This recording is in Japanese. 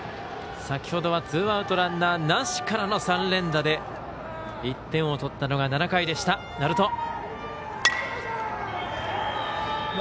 先ほどはツーアウト、ランナーなしからの３連打で１点を取ったのが７回でした鳴門。